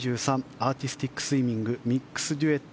アーティスティックスイミングミックスデュエット